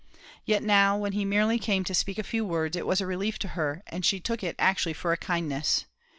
Yet now, when he merely came to speak a few words, it was a relief to her, and she took it actually for a kindness.